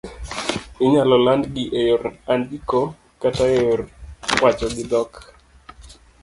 Inyalo landnigi eyor andiko kata eyor wacho gi dhok